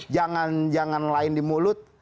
jangan jangan lain di mulut